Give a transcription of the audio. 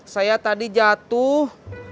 saya tadi jatuh